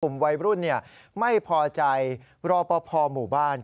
วัยรุ่นไม่พอใจรอปภหมู่บ้าน